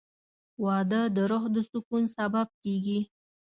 • واده د روح د سکون سبب کېږي.